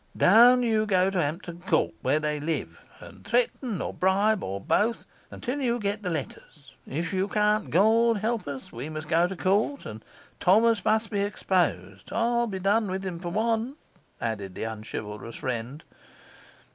Down you go to Hampton Court, where they live, and threaten, or bribe, or both, until you get the letters; if you can't, God help us, we must go to court and Thomas must be exposed. I'll be done with him for one,' added the unchivalrous friend.